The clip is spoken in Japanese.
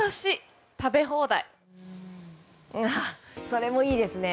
それもいいですね。